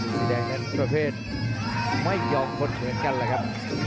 สีแดงนั้นประเภทไม่ยอมคนเหมือนกันแหละครับ